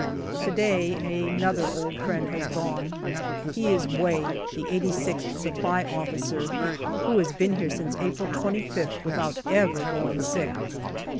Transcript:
To day another old friend has gone. He is Way, the 86th Supply Officer, who has been here since April 25th without ever going sick.